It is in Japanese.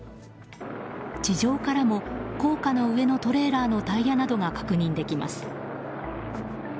地上からも高架の上のトレーラーのタイヤなどが確認できます。